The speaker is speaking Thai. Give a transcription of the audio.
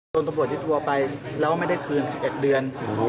โดนตำรวจยึดวัวไปแล้วไม่ได้คืน๑๑เดือน